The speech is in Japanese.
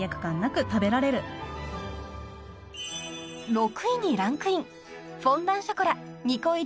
［６位にランクイン］